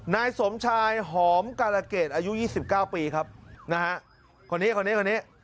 นายสมชายหอมกาลเกตอายุ๒๙ปีครับนะฮะคนนี้คนนี้คนนี้